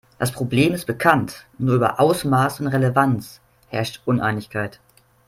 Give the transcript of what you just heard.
Das Problem ist bekannt, nur über Ausmaß und Relevanz herrscht Uneinigkeit.